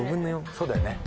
そうだよね。